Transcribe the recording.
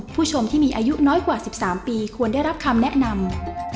ผู้ชมที่มีอายุน้อยกว่า๑๓ปีควรได้รับคำแนะนำ